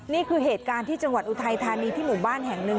นี่คือเหตุการณ์ที่จังหวัดอุทัยธานีที่หมู่บ้านแห่งหนึ่ง